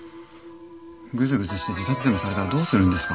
ぐずぐずして自殺でもされたらどうするんですか？